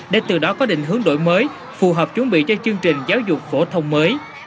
để từ đó có định hướng đổi mới phù hợp chuẩn bị cho chương trình giáo dục phổ thông mới